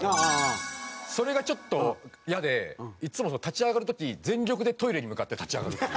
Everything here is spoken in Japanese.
それがちょっとイヤでいつも立ち上がる時全力でトイレに向かって立ち上がるっていう。